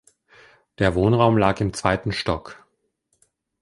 Der Wohnraum lag im zweiten Stock.